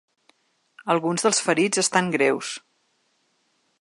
Alguns dels ferits estan greus.